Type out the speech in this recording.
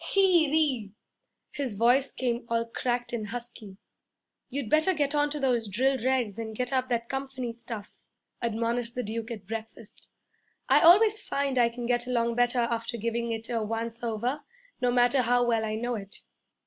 'He re!' His voice came all cracked and husky. 'You'd better get onto those drill regs and get up that company stuff,' admonished the Duke at breakfast. 'I always find I can get along better after givin' it a once over, no matter how well I know it.'